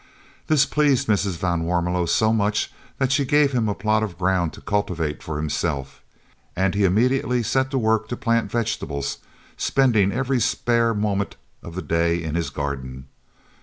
This pleased Mrs. van Warmelo so much that she gave him a plot of ground to cultivate for himself, and he immediately set to work to plant vegetables, spending every spare moment of the day in his garden.